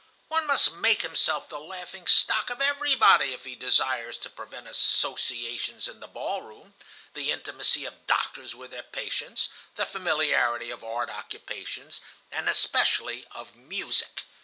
One must make himself the laughing stock of everybody, if he desires to prevent associations in the ball room, the intimacy of doctors with their patients, the familiarity of art occupations, and especially of music.